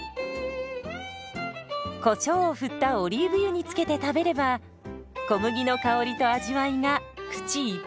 こしょうを振ったオリーブ油につけて食べれば小麦の香りと味わいが口いっぱい！